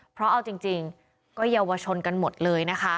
เพราะเอาจริงก็เยาวชนกันหมดเลยนะคะ